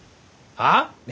はあ！？